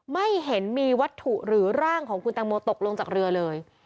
ไม่เห็นมีวัตถุหรือร่างของคุณแตงโมตกลงจากเรือเลย